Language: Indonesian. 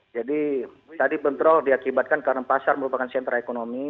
jadi tadi bentrol diakibatkan karena pasar merupakan sentra ekonomi